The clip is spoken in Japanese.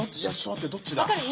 待ってどっちだ？